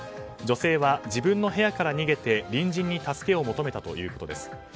女性は自分の部屋から逃げて隣人に助けを求めたということです。